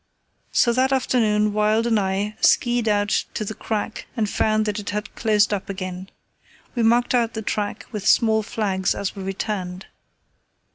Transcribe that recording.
So that afternoon Wild and I ski ed out to the crack and found that it had closed up again. We marked out the track with small flags as we returned.